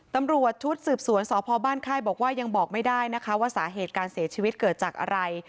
ตำรวจชุดสืบสวนสพบ้านค่ายบอกว่ายังบอกไม่ได้นะคะว่าสาเหตุการเสียชีวิตเกิดจากอะไร